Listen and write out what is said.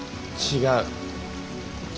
違う。